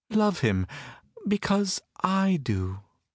"Love him because I do."